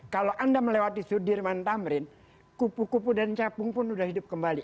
kalau anda melewati sudirman tamrin kupu kupu dan capung pun sudah hidup kembali